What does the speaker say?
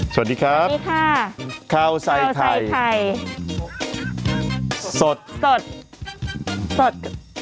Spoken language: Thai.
สวัสดีครับสวัสดีค่ะข้าวใส่ไทยข้าวใส่ไทยสดสดสด